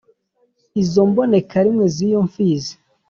Izo mbonekarimwe z'iyo mfizi